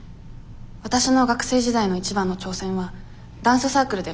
わたしの学生時代の一番の挑戦はダンスサークルでの活動です。